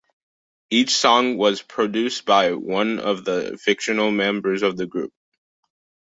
Each song was produced by one of the fictional members of the group.